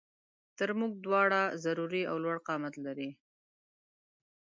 تر مونږ دواړو ضروري او لوړ قامت لري